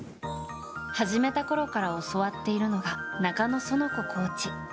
始めたころから教わっているのが中野園子コーチ。